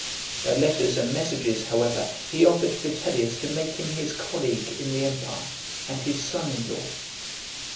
By letters and messages, however, he offered Vitellius to make him his colleague in the empire, and his son in law.